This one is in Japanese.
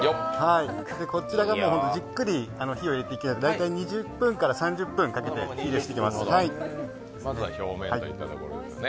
こちらがじっくり火を入れていくので、２０分から３０分ぐらいかけて火入れしていきます。